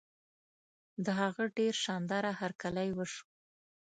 د هغه ډېر شان داره هرکلی وشو.